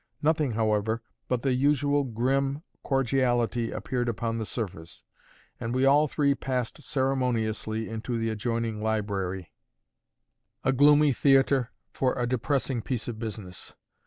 Nothing, however, but the usual grim cordiality appeared upon the surface; and we all three passed ceremoniously to the adjoining library, a gloomy theatre for a depressing piece of business.